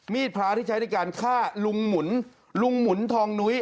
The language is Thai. พระที่ใช้ในการฆ่าลุงหมุนลุงหมุนทองนุ้ย